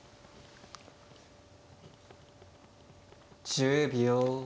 １０秒。